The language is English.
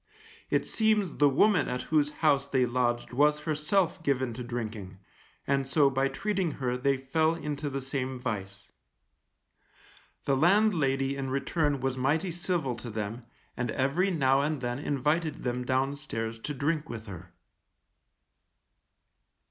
It seems the woman at whose house they lodged was herself given to drinking, and so by treating her they fell into the same vice. The landlady in return was mighty civil to them, and every now and then invited them downstairs to drink with her.